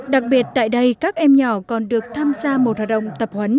đặc biệt tại đây các em nhỏ còn được tham gia một hoạt động tập huấn